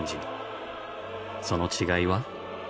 その違いは。